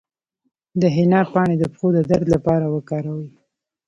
د حنا پاڼې د پښو د درد لپاره وکاروئ